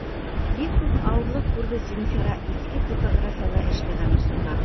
Бик күп ауырлыҡ күрҙе Зинфира иҫке типографияла эшләгән осорҙа.